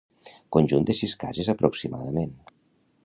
Conjunt de sis cases aproximadament.